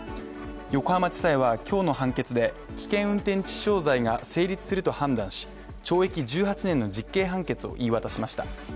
横浜地裁は今日の判決で、危険運転致傷罪が成立すると判断し懲役１８年の実刑判決を言い渡しました。